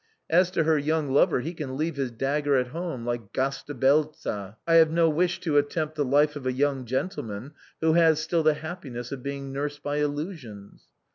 As to her young lover he can leave his dagger at home like Gastibelza. I have no wish to attempt the life of a young gentleman who has still the happiness of being nursed by illusions."